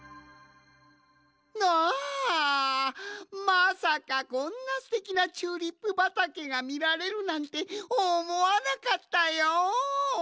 まさかこんなすてきなチューリップばたけがみられるなんておもわなかったよん。